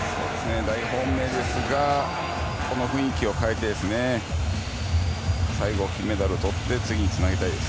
大本命ですがこの雰囲気を変えて最後、金メダルをとって次につなげたいです。